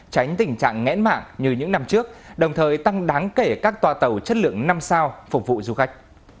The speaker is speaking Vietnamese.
tránh tình trạng nghẽn mạng như những năm trước đồng thời tăng đáng kể các toa tàu chất lượng năm sao phục vụ du khách